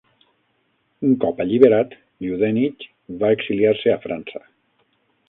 Un cop alliberat, Yudenich va exiliar-se a França.